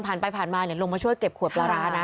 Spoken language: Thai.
ผ่านไปผ่านมาลงมาช่วยเก็บขวดปลาร้านะ